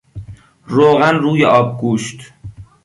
روغن روی آبگوشت